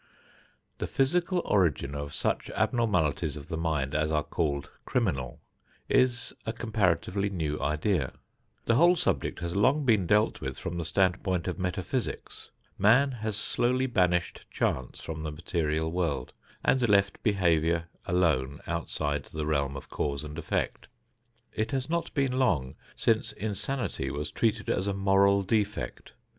The physical origin of such abnormalities of the mind as are called "criminal" is a comparatively new idea. The whole subject has long been dealt with from the standpoint of metaphysics. Man has slowly banished chance from the material world and left behavior alone outside the realm of cause and effect. It has not been long since insanity was treated as a moral defect.